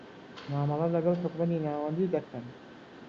مامەڵە لەکەڵ حکومەتی ناوەندی دەکەن.